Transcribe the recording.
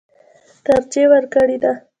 ترجېح ورکړې ده.